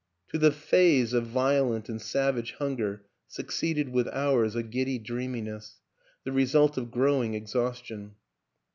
To the phase of violent and savage hunger suc ceeded, with hours, a giddy dreaminess, the result of growing exhaustion.